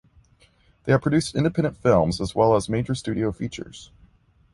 They have produced independent films as well as major studio features.